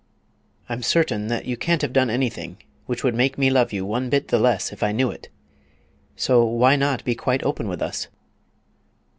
"I'm certain that you can't have done anything which would make me love you one bit the less if I knew it. So why not be quite open with us?"